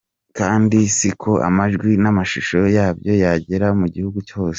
Kandi siko amajwi n’amashusho yabyo yageraga mu gihugu hose.